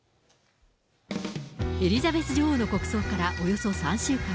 エリザベス女王の国葬からおよそ３週間。